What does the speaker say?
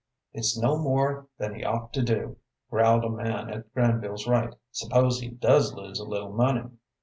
"It's no more than he ought to do," growled a man at Granville's right. "S'pose he does lose a little money?"